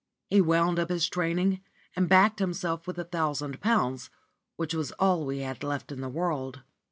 He wound up his training, and backed himself with a thousand pounds, which was all we had left in the world.